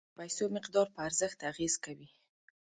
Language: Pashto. د پیسو مقدار په ارزښت اغیز کوي.